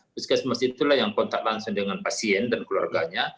puskesmas itulah yang kontak langsung dengan pasien dan keluarganya